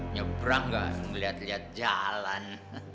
nyebrang gak ngeliat lihat jalan